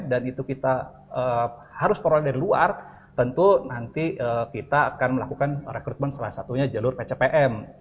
dan itu kita harus proyek dari luar tentu nanti kita akan melakukan rekrutmen salah satunya jalur pcpm